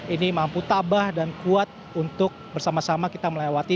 ini mampu tabah dan kuat untuk bersama sama kita melewati